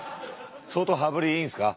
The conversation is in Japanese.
相当羽振りいいんですか？